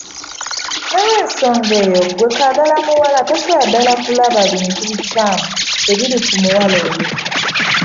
N'olwensonga eyo ggwe kaagala muwala tosobolera ddala kulaba bintu bikyamu ebiri ku muwala oyo.